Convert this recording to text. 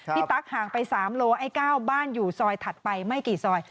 ตั๊กห่างไป๓โลไอ้๙บ้านอยู่ซอยถัดไปไม่กี่ซอย